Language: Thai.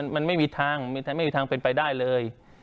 มันไม่มีทางไม่มีทางเป็นไปได้เลย